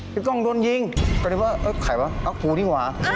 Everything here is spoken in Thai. พี่กองโดนยิงก็นึกว่าเอ้ยใครวะขูดิกว่า